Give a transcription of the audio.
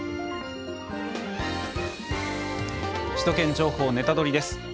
「首都圏情報ネタドリ！」です。